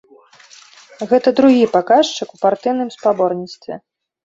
Гэта другі паказчык у партыйным спаборніцтве.